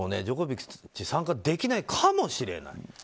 ジョコビッチ参加できないかもしれない。